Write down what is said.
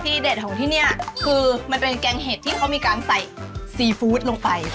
เด็ดของที่นี่คือมันเป็นแกงเห็ดที่เขามีการใส่ซีฟู้ดลงไป